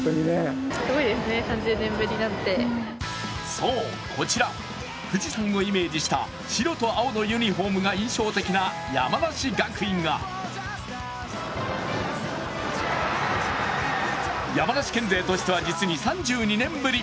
そう、こちら富士山をイメージした白と青のユニフォームが印象的な山梨学院が山梨県勢としては実に３２年ぶり